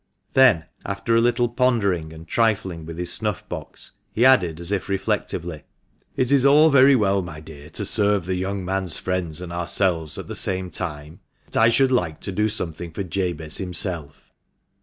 Then, after a little pondering and trifling with his snuff box, he added, as if reflectively —" It is all very well, my dear, to serve the young man's friends and ourselves at the same time, but I should like to do something for Jabez himself.